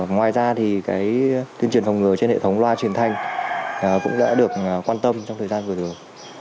ngoài ra thì cái tuyên truyền phòng ngừa trên hệ thống loa truyền thanh cũng đã được quan tâm trong thời gian vừa rồi